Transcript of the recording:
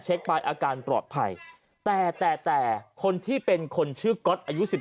เช็คปลายอาการปลอดภัยแต่แต่แต่คนที่เป็นคนชื่อก๊อตอายุ๑๗